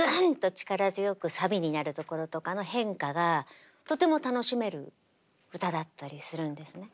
力強くサビになるところとかの変化がとても楽しめる歌だったりするんですね。